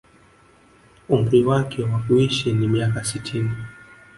Umri wake wa kuishi ni miaka sitini